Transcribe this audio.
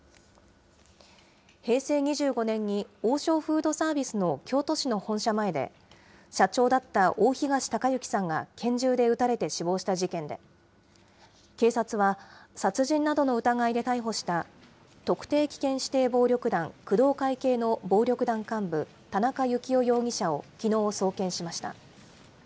平成２５年に王将フードサービスの京都市の本社前で、社長だった大東隆行さんが拳銃で撃たれて死亡した事件で、警察は、殺人などの疑いで逮捕した特定危険指定暴力団工藤会系の暴力団幹部、田中幸雄容疑者をきのう送検しました。